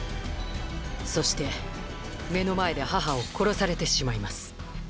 そして目の前で母を殺されてしまいます